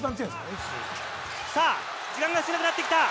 時間が少なくなってきた。